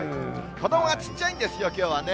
子どもがちっちゃいんですよ、きょうはね。